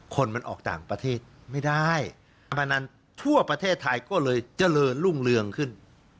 คนมันออกต่างประเทศไม่ได้พนันทั่วประเทศไทยก็เลยเจริญรุ่งเรืองขึ้น